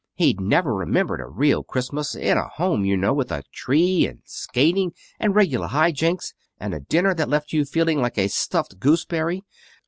He'd never remembered a real Christmas in a home, you know, with a tree, and skating, and regular high jinks, and a dinner that left you feeling like a stuffed gooseberry.